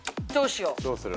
どうしよう。